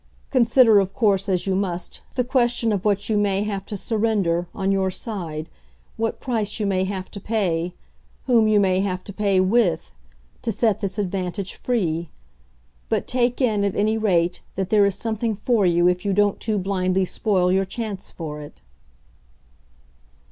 Consider of course, as you must, the question of what you may have to surrender, on your side, what price you may have to pay, whom you may have to pay WITH, to set this advantage free; but take in, at any rate, that there is something for you if you don't too blindly spoil your chance for it."